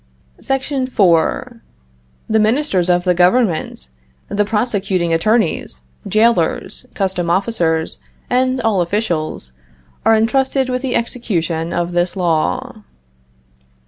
SEC. 4. The ministers of the government, the prosecuting attorneys, jailers, customs officers, and all officials, are entrusted with the execution of this law.